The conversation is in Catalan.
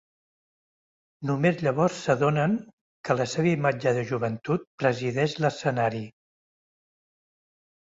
Només llavors s'adonen que la seva imatge de joventut presideix l'escenari.